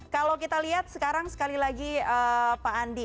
kalau kita lihat sekarang sekali lagi pak andi